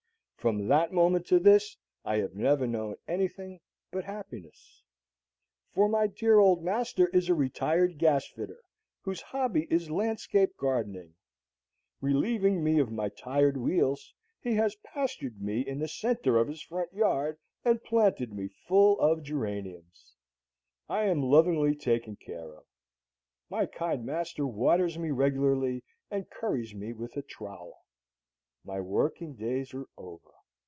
From that moment to this I have never known anything but happiness. For my dear old master is a retired gas fitter whose hobby is landscape gardening. Relieving me of my tired wheels, he has pastured me in the center of his front yard and planted me full of geraniums. I am lovingly taken care of. My kind master waters me regularly and curries me with a trowel. My working days are over.